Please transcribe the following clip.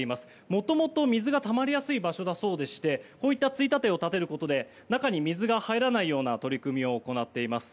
もともと水が溜まりやすい場所でついたてを立てることで中に水が入らないような取り組みを行っています。